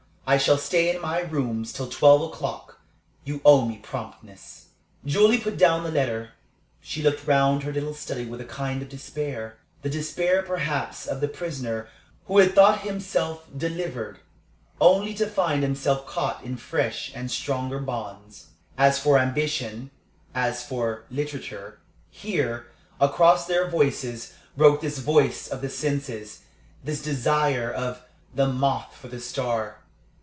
I shall stay in my rooms till twelve o'clock. You owe me promptness." Julie put down the letter. She looked round her little study with a kind of despair the despair perhaps of the prisoner who had thought himself delivered, only to find himself caught in fresh and stronger bonds. As for ambition, as for literature here, across their voices, broke this voice of the senses, this desire of "the moth for the star."